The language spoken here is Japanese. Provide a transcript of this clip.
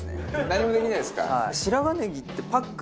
何もできないですか？